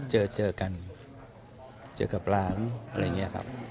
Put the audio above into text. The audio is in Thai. เจอเจอกันเจอกับหลานอะไรอย่างนี้ครับ